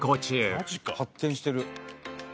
「マジか」「発展してる」